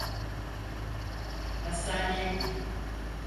Hastaneye git.